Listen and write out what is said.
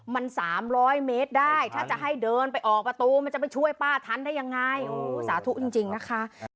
มันจะไปช่วยป้าทันได้ยังไงโอ้โหสาธุจริงนะคะ